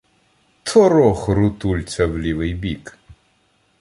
Торох рутульця в лівий бік!